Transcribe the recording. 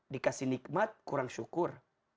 dikasih nikmat kurang syukur